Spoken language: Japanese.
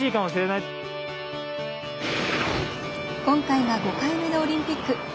今回が５回目のオリンピック。